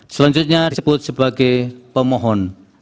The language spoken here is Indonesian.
selanjutnya disebut sebagai pemohon